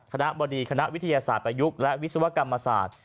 บดีคณะวิทยาศาสตร์ประยุกต์และวิศวกรรมศาสตร์